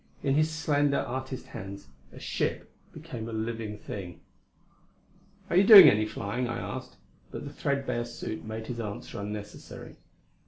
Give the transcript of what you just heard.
In his slender, artist hands a ship became a live thing. "Are you doing any flying?" I asked, but the threadbare suit made his answer unnecessary.